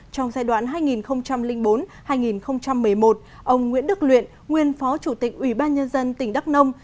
trong giai đoạn hai nghìn bốn hai nghìn một mươi một ông nguyễn đức luyện nguyên phó chủ tịch ủy ban nhân dân tỉnh đắk nông